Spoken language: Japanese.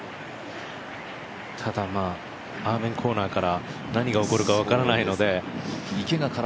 ただアーメンコーナーから何があるか分からないので。